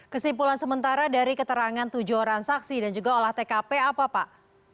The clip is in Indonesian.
kesimpulan sementara dari keterangan tujuh orang saksi dan juga olah tkp apa pak